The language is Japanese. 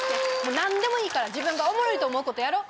何でもいいから自分がおもろいと思うことやろう。